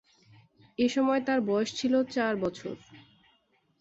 এসময় তার বয়স ছিল চার বছর।